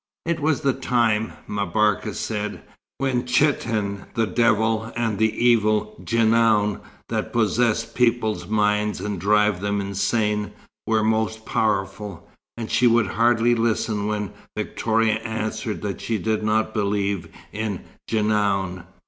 It was the time, M'Barka said, when Chitan the devil, and the evil Djenoun that possess people's minds and drive them insane, were most powerful; and she would hardly listen when Victoria answered that she did not believe in Djenoun.